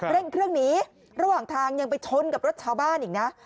เร่งเครื่องหนีระหว่างทางยังไปชนกับรถชาวบ้านอีกนะ